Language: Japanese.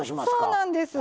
そうなんです。